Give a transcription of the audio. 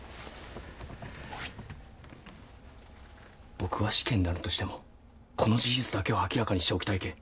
僕は死刑になるとしてもこの事実だけは明らかにしておきたいけん。